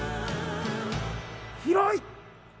広い！